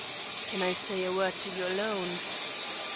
"Can I say a word to you alone?"